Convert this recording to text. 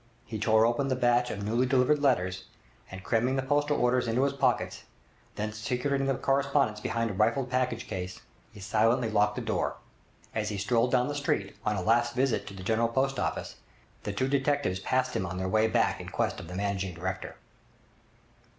He tore open the batch of newly delivered letters, and crammed the postal orders into his pockets; then, secreting the correspondence behind a rifled packing case, he silently locked the door. As he strolled down the street, on a last visit to the General Post Office, the two detectives passed him on their way back in quest of the 'Managing Director'.